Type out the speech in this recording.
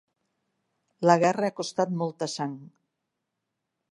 La guerra ha costat molta sang.